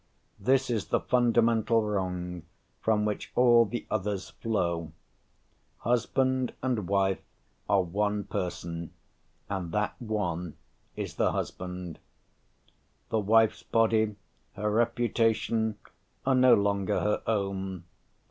This is the fundamental wrong from which all the others flow: "'Husband and wife are one person,' and that one is the husband." The wife's body, her reputation, are no longer her own.